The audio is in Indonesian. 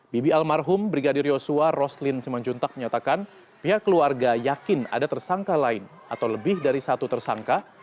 bibi almarhum brigadir yosua roslin simanjuntak menyatakan pihak keluarga yakin ada tersangka lain atau lebih dari satu tersangka